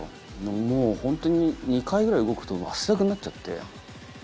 もうホントに２回ぐらい動くと汗だくになっちゃって。